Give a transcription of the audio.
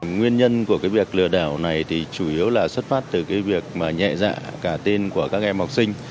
nguyên nhân của cái việc lừa đảo này thì chủ yếu là xuất phát từ cái việc mà nhẹ dạ cả tin của các em học sinh